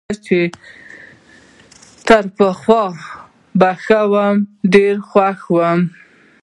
زه لا چي تر پخوا به ښه وم، ډېر خوښ وو.